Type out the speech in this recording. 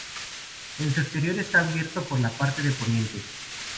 En su exterior está abierto por la parte de poniente.